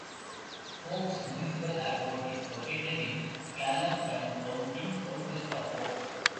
Forks Municipal Airport is located in Clallam County, southwest of Forks.